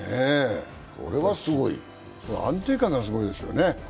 これはすごい、安定感がすごいですよね。